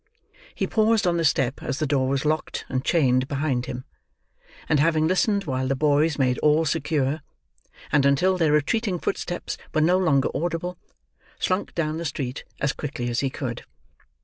He paused on the step as the door was locked and chained behind him; and having listened while the boys made all secure, and until their retreating footsteps were no longer audible, slunk down the street as quickly as he could.